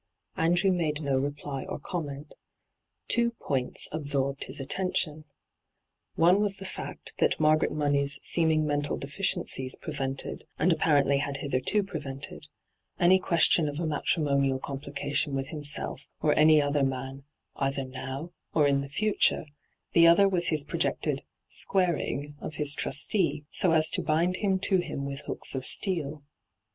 Andrew made no reply or comment Two points absorbed his attention. One was the fact that Margaret Money's seeming mental deficiencies prevented, and apparently had hitherto prevented, any question of a matri monial comphcation with himself or any other man, either now or in the future ; the other was his projected ' squaring ' of his trustee, so as to bind him to him with hooks of steel.